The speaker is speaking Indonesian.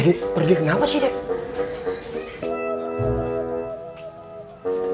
pergi pergi kenapa sih dede